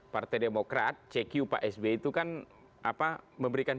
partai demokrat cq pak sby itu kan memberikan